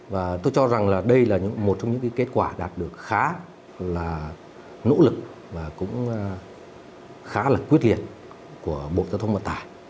và tôi cho rằng là đây là một trong những kết quả đạt được khá là nỗ lực và cũng khá là quyết liệt của bộ giao thông vận tải